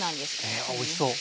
へえおいしそう。